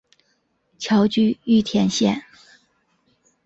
侨居玉田县。